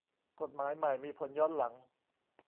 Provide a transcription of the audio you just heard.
กฏหมายใหม่มีผลย้อนหลัง